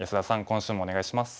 今週もお願いします。